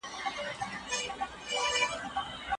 غرور انسان غورځوي.